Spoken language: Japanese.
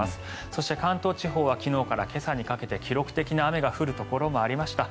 そして関東地方は昨日から今朝にかけて記録的な雨が降るところもありました。